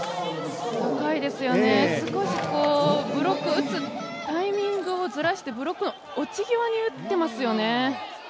高いですよね、ブロック打つタイミングをずらしてブロックの落ち際に打ってますよね。